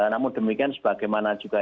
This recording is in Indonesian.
namun demikian sebagaimana juga